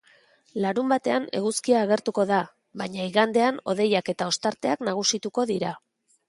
Larunbatean eguzkia agertuko da, baina igandean hodeiak eta ostarteak nagusituko dira.